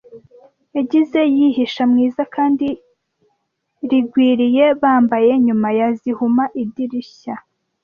Yagize yihisha mwiza kandi rigwiriye bambaye nyuma ya zihuma Idirishya.